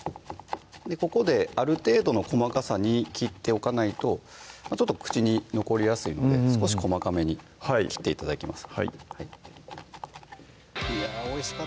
ここである程度の細かさに切っておかないと口に残りやすいので少し細かめに切って頂けますか？